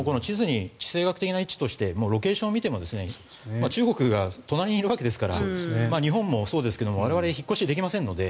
地政学的な位置としてロケーションを見ても中国が隣にいるわけですから日本もそうですけど我々、引っ越しできませんので。